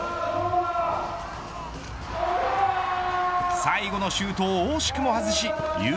最後のシュートを惜しくも外しゆうき